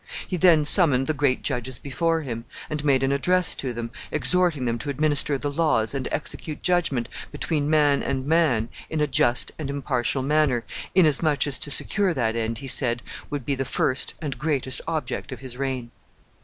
He then summoned the great judges before him, and made an address to them, exhorting them to administer the laws and execute judgment between man and man in a just and impartial manner, inasmuch as to secure that end, he said, would be the first and greatest object of his reign.